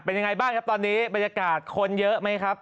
เป็นยังไงบ้างครับตอนนี้บรรยากาศคนเยอะไหมครับ